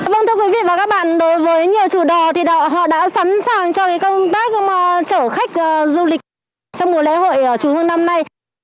vâng thưa quý vị và các bạn đối với nhiều chủ đò thì họ đã sẵn sàng cho công tác chở khách du lịch trong mùa lễ hội chùa hương năm nay